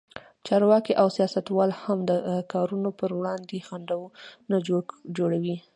چارواکي او سیاستوال هم د کارونو پر وړاندې خنډونه جوړوي.